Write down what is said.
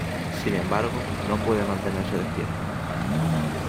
Sin embargo, no puede mantenerse despierta.